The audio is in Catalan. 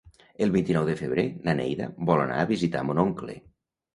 El vint-i-nou de febrer na Neida vol anar a visitar mon oncle.